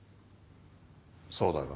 そうだが。